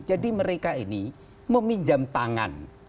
jadi mereka ini meminjam tangan